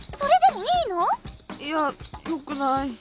いやよくない。